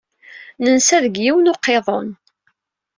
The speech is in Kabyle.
Nensa deg yiwen n uqiḍun.